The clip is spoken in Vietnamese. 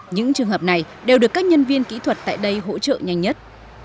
những trường hợp này đều được các nhân viên kỹ thuật tại đây hỗ trợ nhanh nhất